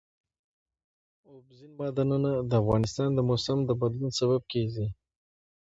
اوبزین معدنونه د افغانستان د موسم د بدلون سبب کېږي.